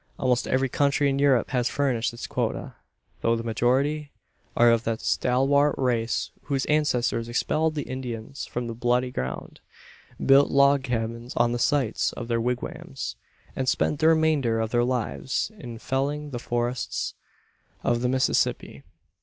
Almost every country in Europe has furnished its quota; though the majority are of that stalwart race whose ancestors expelled the Indians from the "Bloody Ground;" built log cabins on the sites of their wigwams; and spent the remainder of their lives in felling the forests of the Mississippi.